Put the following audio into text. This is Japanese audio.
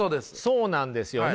そうなんですよね。